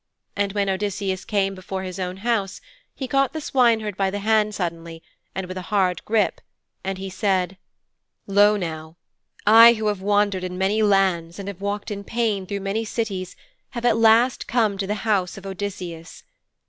And when Odysseus came before his own house, he caught the swineherd by the hand suddenly and with a hard grip, and he said: 'Lo now, I who have wandered in many lands and have walked in pain through many Cities have come at last to the house of Odysseus.